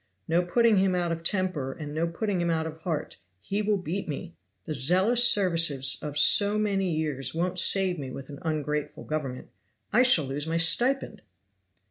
No putting him out of temper and no putting him out of heart! He will beat me! The zealous services of so many years won't save me with an ungrateful Government. I shall lose my stipend!"